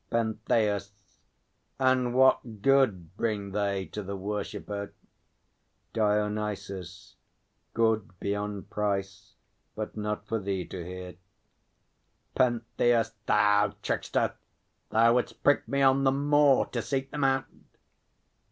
PENTHEUS. And what good bring they to the worshipper? DIONYSUS. Good beyond price, but not for thee to hear. PENTHEUS. Thou trickster! Thou wouldst prick me on the more To seek them out!